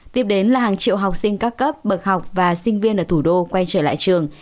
tiếp đến là hàng triệu học sinh các cấp bậc học và sinh viên ở thủ đô quay trở lại trường